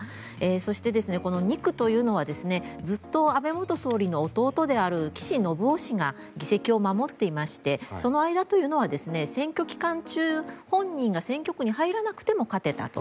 そして、２区というのはずっと、安倍元総理の弟である岸信夫氏が議席を守っていましてその間というのは選挙期間中本人が選挙区に入らなくても勝てたと。